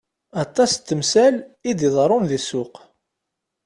Aṭas n temsal i d-iḍerrun deg ssuq.